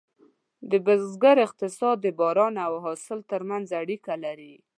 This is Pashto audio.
د بزګر اقتصاد د باران او حاصل ترمنځ اړیکه لري.